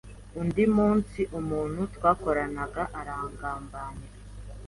Undi munsi umuntu twakoranaga arangambanira